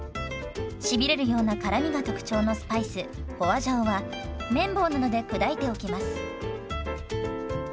しびれるような辛みが特徴のスパイス花椒は麺棒などで砕いておきます。